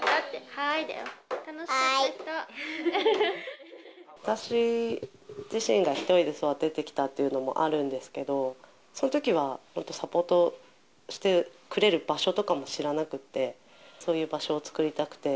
はーいだ私自身が１人で育ててきたっていうのもあるんですけど、そういうときはサポートしてくれる場所とかも知らなくて、そういう場所を作りたくて。